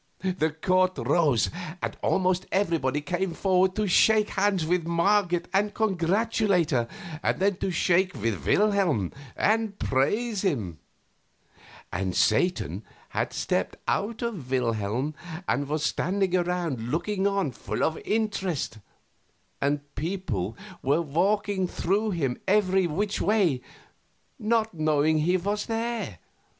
The court rose, and almost everybody came forward to shake hands with Marget and congratulate her, and then to shake with Wilhelm and praise him; and Satan had stepped out of Wilhelm and was standing around looking on full of interest, and people walking through him every which way, not knowing he was there.